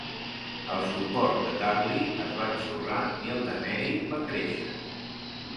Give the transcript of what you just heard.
El suport de Dudley es va ensorrar i el de Mary va créixer.